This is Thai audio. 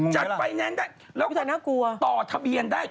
จัดไฟแนนได้ต่อทะเบียนได้